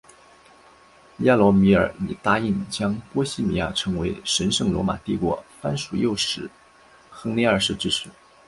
亚罗米尔以答应将波希米亚成为神圣罗马帝国藩属诱使亨利二世支持。